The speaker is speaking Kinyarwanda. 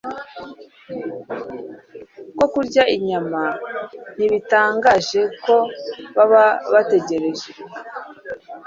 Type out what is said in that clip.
ko kurya inyama ntibitangaje ko baba bategereje